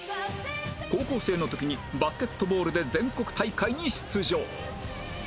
高校生の時にバスケットボールで全国大会に出場